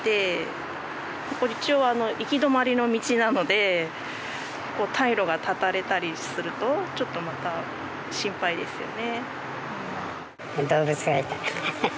ここ一応行き止まりの道なので退路が断たれたりするとちょっとまた心配ですよね。